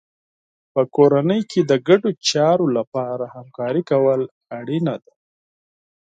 په کورنۍ کې د ګډو چارو لپاره همکاري کول اړینه ده.